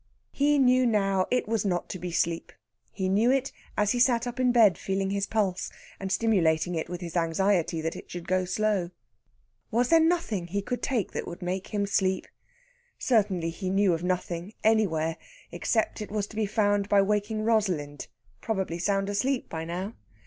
He knew now it was not to be sleep; he knew it as he sat up in bed feeling his pulse, and stimulating it with his anxiety that it should go slow. Was there nothing he could take that would make him sleep? Certainly he knew of nothing, anywhere, except it was to be found by waking Rosalind, probably sound asleep by now.